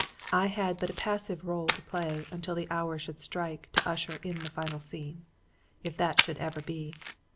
I had but a passive rôle to play until the hour should strike to usher in the final scene if that should ever be.